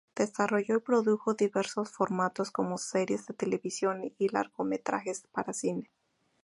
Desarrolló y produjo diversos formatos como series de televisión y largometrajes para cine.